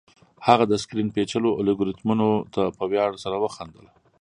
هغه د سکرین پیچلو الګوریتمونو ته په ویاړ سره وخندل